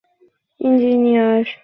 কেউ ডাক্তার, কেউ ইঞ্জিনিয়ার, কেউ টিচার।